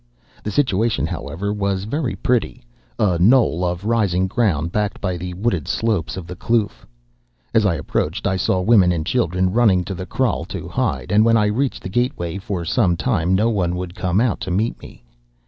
The situation, however, was very pretty, a knoll of rising ground backed by the wooded slopes of the kloof. As I approached, I saw women and children running to the kraal to hide, and when I reached the gateway for some time no one would come out to meet me.